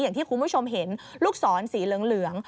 อย่างที่คุณผู้ชมเห็นลูกศรสีเหลือง